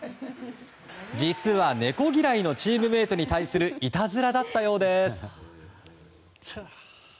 実は猫嫌いのチームメートに対するいたずらだったようです。